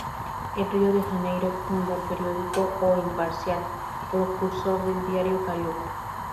En Rio de Janeiro, funda el periódico O Imparcial, precursor del Diario Carioca.